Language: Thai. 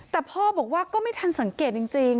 แต่พ่อบอกว่าก็ไม่ทันสังเกตจริง